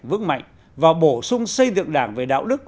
vững mạnh và bổ sung xây dựng đảng về đạo đức